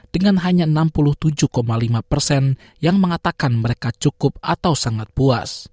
dengan hanya enam puluh tujuh lima persen yang mengatakan mereka cukup atau sangat puas